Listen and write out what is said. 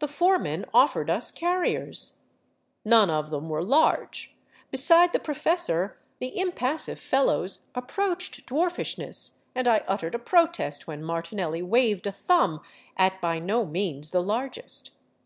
The foreman offered us carriers. None of them were large; beside the professor the impassive fellows ap proached dwarfishness, and I uttered a protest when Martinelli waved a thumb at by no means the largest.